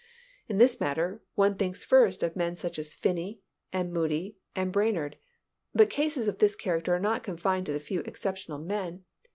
In this matter, one thinks first of such men as Finney, and Moody, and Brainerd, but cases of this character are not confined to the few exceptional men.